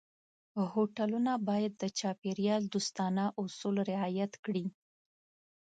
هوټلونه باید د چاپېریال دوستانه اصول رعایت کړي.